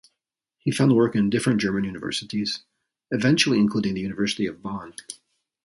He found work in different German universities, eventually including the University of Bonn.